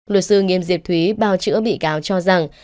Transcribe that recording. luật sư nghiêm diệp thúy bao chữa bị cáo cho rằng